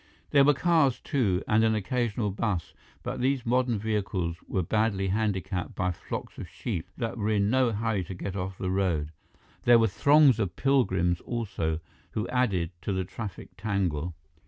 There were cars, too, and an occasional bus, but these modern vehicles were badly handicapped by flocks of sheep that were in no hurry to get off the road. There were throngs of pilgrims also, who added to the traffic tangle.